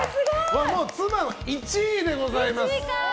妻の１位でございます。